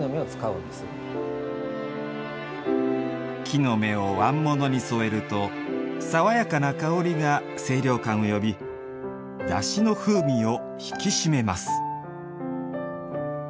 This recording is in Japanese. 木の芽を椀物に添えると爽やかな香りが清涼感を呼びだしの風味を引き締めます。